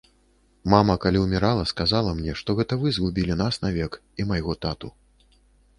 Мама, калі ўмірала, сказала мне, што гэта вы згубілі нас навек і майго тату.